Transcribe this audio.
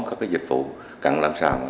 các dịch vụ cần làm sao